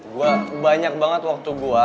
gue banyak banget waktu gue